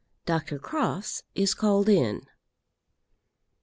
DOCTOR CROFTS IS CALLED IN.